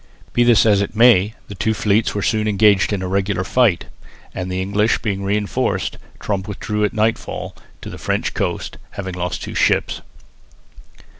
Be this as it may, the two fleets were soon engaged in a regular fight, and, the English being reinforced, Tromp withdrew at nightfall to the French coast, having lost two ships.